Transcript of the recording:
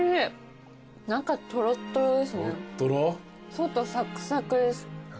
外サクサクです。